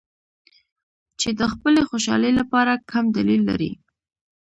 چې د خپلې خوشحالۍ لپاره کم دلیل لري.